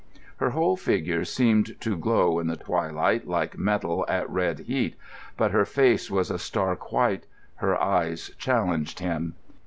] Her whole figure seemed to glow in the twilight like metal at red heat, but her face was a stark white, her eyes challenged him.